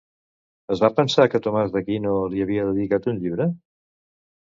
Es va pensar que Tomàs d'Aquino li havia dedicat un llibre?